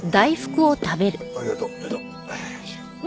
ありがとう。